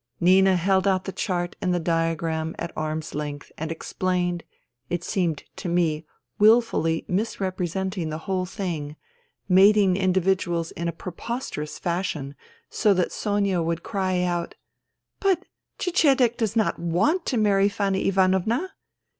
Nina held out the chart and the diagram at arm's length and explained, it seemed to me wilfully misrepresenting the whole thing, mating individuals in a preposterous fashion, so that Sonia would cry out :" But Cecedek does not want to marry Fanny Ivanovna